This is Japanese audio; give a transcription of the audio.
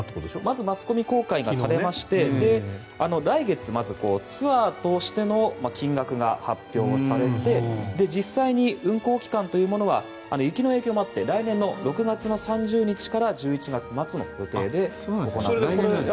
まずマスコミ公開されて来月まずツアーとしての見学が発表されて実際に運行期間というものは雪の影響もあって来年の６月３０日から１１月末の予定で行っていくということです。